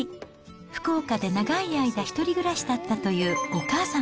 福岡で長い間１人暮らしだったというお母様。